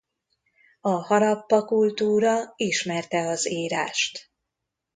A Harappa-kultúra ismerte az írást.